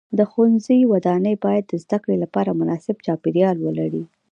د ښوونځي ودانۍ باید د زده کړې لپاره مناسب چاپیریال ولري.